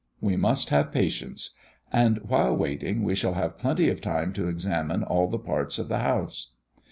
We must have patience. And while waiting, we shall have plenty of time to examine all the parts of the house.